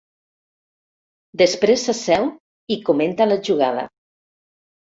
Després s'asseu i comenta la jugada.